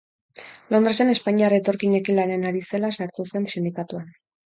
Londresen espainiar etorkinekin lanean ari zela sartu zen sindikatuan.